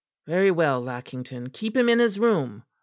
"Very well, Lackington, keep him in his room.